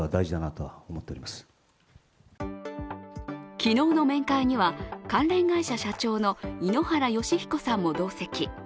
昨日の面会には関連会社社長の井ノ原快彦さんも同席。